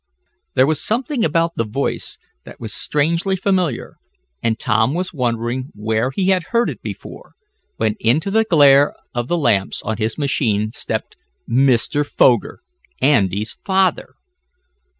There was something about the voice that was strangely familiar, and Tom was wondering where he had heard it before, when into the glare of the lamps on his machine stepped Mr. Foger Andy's father!